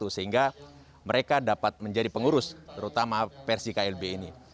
sehingga mereka dapat menjadi pengurus terutama versi klb ini